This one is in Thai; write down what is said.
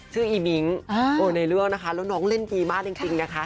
อีมิ้งในเรื่องนะคะแล้วน้องเล่นดีมากจริงนะคะ